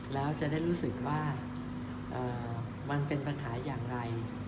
แล้วจะได้รู้สึกว่ามันเป็นปัญหาอย่างไร